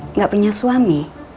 enggak punya suami